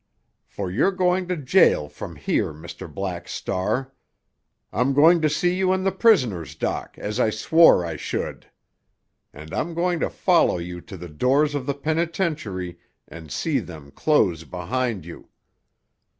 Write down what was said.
For you're going to jail from here, Mr. Black Star. I'm going to see you in the prisoner's dock, as I swore I should. And I'm going to follow you to the doors of the penitentiary, and see them close behind you.